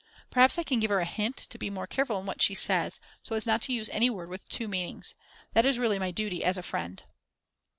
Perhaps I can give her a hint to be more careful in what she says, so as not to use any word with two meanings. That is really my duty as a friend.